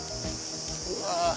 うわ！